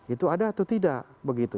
itu ada atau tidak begitu